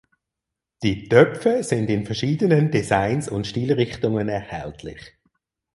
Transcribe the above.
Die Töpfe sind in verschiedenen Designs und Stilrichtungen erhältlich.